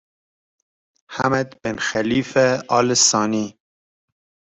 حمد بن خلیفه آل ثانی